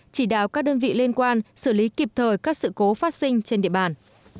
chỉ đạo các đơn vị liên quan xử lý kịp thời các sự cố phát sinh trên địa bàn